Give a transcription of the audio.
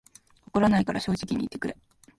怒らないから正直に言ってくれ